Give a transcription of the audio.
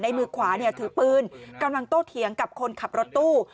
มือขวาเนี่ยถือปืนกำลังโตเถียงกับคนขับรถตู้